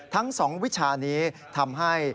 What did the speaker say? ทั้ง๒วิชานี้ทำให้